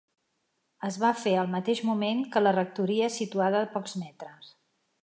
Es va fer al mateix moment que la rectoria situada a pocs metres.